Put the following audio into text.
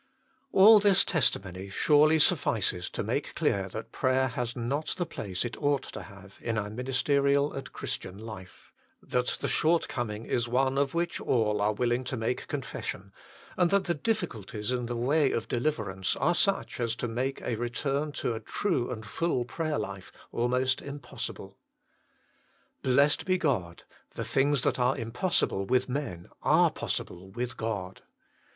All this testimony surely suffices to make clear that prayer has not the place it ought to have in our ministerial and Christian life ; that the short coming is one of which all are willing to make confession ; and that the difficulties in the way of deliverance are such as to make a return to a true and full prayer life almost impossible. Blessed be God " The things that are impossible with men are possible with God